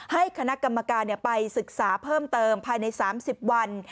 ให้คณะกรรมการไปศึกษาเพิ่มเติมภายใน๓๐วัน